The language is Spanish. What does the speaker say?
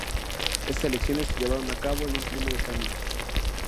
Estas elecciones se llevaron a cabo en un clima de cambios.